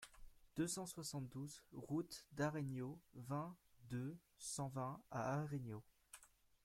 deux cent soixante-douze route d'Aregno, vingt, deux cent vingt à Aregno